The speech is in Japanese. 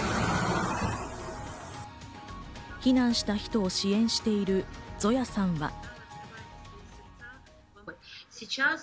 避難した人を支援しているゾヤさんは。